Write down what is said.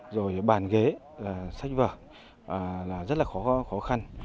rồi bàn ghế là sách vở là rất là khó khăn